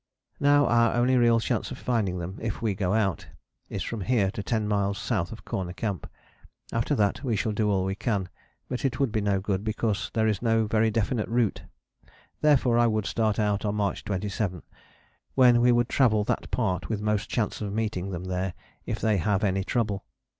"Now our only real chance of finding them, if we go out, is from here to ten miles south of Corner Camp. After that we shall do all we can, but it would be no good, because there is no very definite route. Therefore I would start out on March 27, when we would travel that part with most chance of meeting them there if they have any trouble.